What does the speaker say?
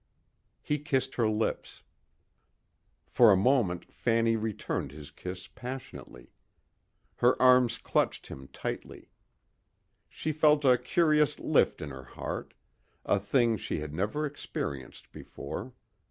He kissed her lips. For a moment Fanny returned his kiss passionately. Her arms clutched him tightly. She felt a curious lift in her heart, a thing she had never experienced before.